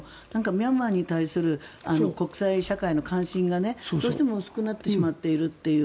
ミャンマーに対する国際社会の関心がどうしても薄くなってしまっているという。